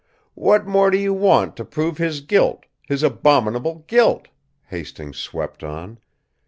"What more do you want, to prove his guilt, his abominable guilt?" Hastings swept on.